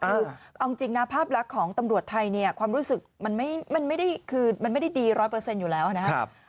เอาจริงจริงนะภาพลักษณ์ของตำรวจไทยเนี่ยความรู้สึกมันไม่ได้ดีร้อยเปอร์เซ็นต์อยู่แล้วนะครับ